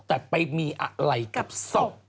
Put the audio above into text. แต่ไปมีอะไรกับศพ